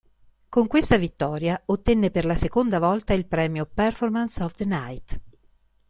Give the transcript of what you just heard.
Con questa vittoria ottenne per la seconda volta il premio "Performance of the Night".